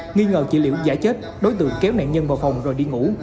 nghi ngờ chị liễu giải chết đối tượng kéo nạn nhân vào phòng rồi đi ngủ